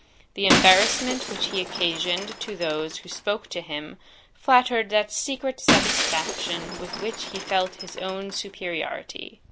The embarrassment which he occasioned to those who spoke to him, flattered that secret satisfaction with which he felt his own superiority.'